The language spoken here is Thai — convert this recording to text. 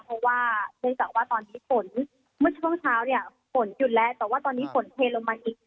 เพราะว่าเนื่องจากว่าตอนนี้ฝนเมื่อช่วงเช้าเนี่ยฝนหยุดแล้วแต่ว่าตอนนี้ฝนเทลงมาอีก